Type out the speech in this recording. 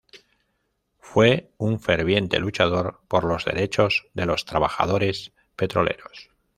Fue un ferviente luchador por los derechos de los trabajadores petroleros.